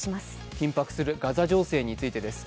緊迫するガザ情勢についてです。